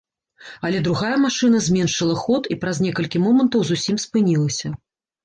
Але другая машына зменшыла ход і праз некалькі момантаў зусім спынілася.